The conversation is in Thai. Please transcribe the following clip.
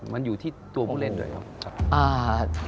มันอยู่ที่ตัวผู้เล่นด้วยครับ